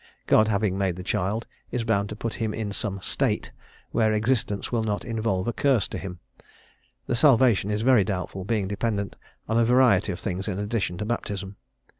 God, having made the child, is bound to put him in some "state" where existence will not involve a curse to him; the "salvation" is very doubtful, being dependent on a variety of things in addition to baptism.